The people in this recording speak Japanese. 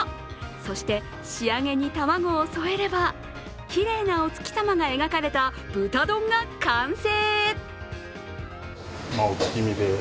そして仕上げに卵を添えれば、きれいなお月様が描かれた豚丼が完成。